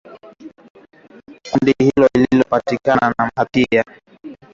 Kundi hilo lilisema kwenye mtandao wake wa mawasiliano